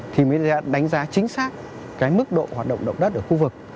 chúng mình sẽ đánh giá chính xác cái mức độ hoạt động động đất ở khu vực